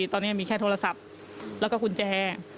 ตอนนี้มีแค่โทรศัพท์แล้วก็กุญแจ